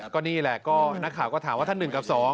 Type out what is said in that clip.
ก็นี่แหละก็นักข่าวก็ถามว่าถ้า๑กับ๒